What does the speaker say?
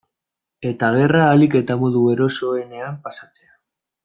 Eta gerra ahalik eta modu erosoenean pasatzea.